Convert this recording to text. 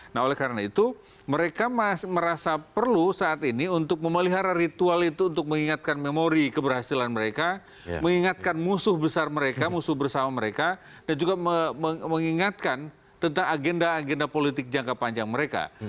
nah oleh karena itu mereka merasa perlu saat ini untuk memelihara ritual itu untuk mengingatkan memori keberhasilan mereka mengingatkan musuh besar mereka musuh bersama mereka dan juga mengingatkan tentang agenda agenda politik jangka panjang mereka